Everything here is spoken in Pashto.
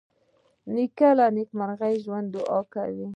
نیکه له نیکمرغه ژوند دعا کوي.